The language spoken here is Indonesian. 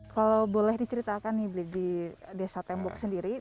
kalau boleh diceritakan nih bli di desa tembok sendiri